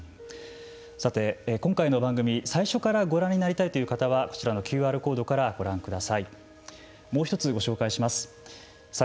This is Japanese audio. さて、今回の番組最初からご覧になりたいという方はこちらのＱＲコードからご覧ください。